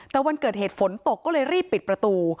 แต่วันเกิดเหตุฝนตกก็เลยรีบปิดประตู